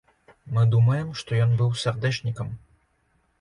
Мы думаем, што ён быў сардэчнікам.